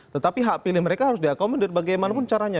tetapi hak pilih mereka harus diakomodir bagaimanapun caranya